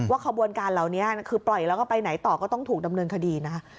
ขบวนการเหล่านี้คือปล่อยแล้วก็ไปไหนต่อก็ต้องถูกดำเนินคดีนะคะ